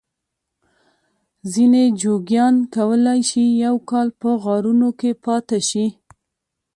ځینې جوګیان کولای شي یو کال په غارونو کې پاته شي.